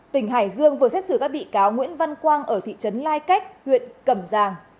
tỉnh hải dương vừa xét xử các bị cáo nguyễn văn quang ở thị trấn lai cách huyện cầm giang